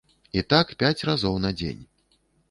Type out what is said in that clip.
І так пяць разоў на дзень.